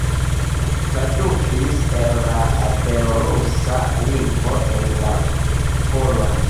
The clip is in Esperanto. Tradukis el la belorusa lingvo en la polan.